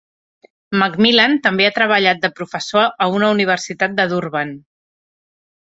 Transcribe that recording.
McMillan també ha treballat de professor a una universitat de Durban.